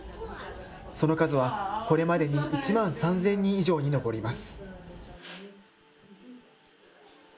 その数はこれまでに１万３０００人以上に上ります。